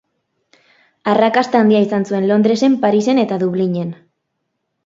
Arrakasta handia izan zuen Londresen, Parisen eta Dublinen.